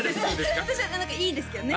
私は何かいいんですけどね